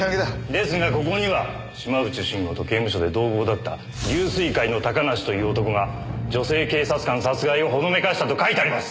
ですがここには島内慎吾と刑務所で同房だった龍翠会の高梨という男が女性警察官殺害をほのめかしたと書いてあります！